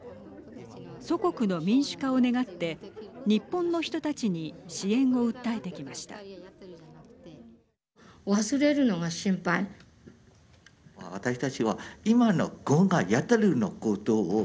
祖国の民主化を願って日本の人たちに支援を訴えてきました。